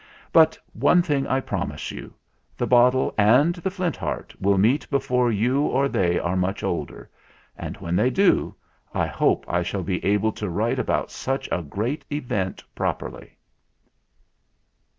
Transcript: But one thing I promise you: the bottle and the Flint Heart will meet before you or they are much older; and when they do, I hope I shall be able to write about such a great event properly.